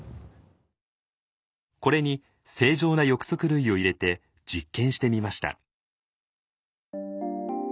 これに正常な翼足類を入れて実験してみました。